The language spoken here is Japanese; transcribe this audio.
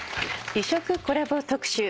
異色コラボ特集